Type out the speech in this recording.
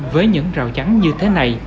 với những rào trắng như thế này